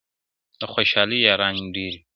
o د خوشالۍ ياران ډېر وي!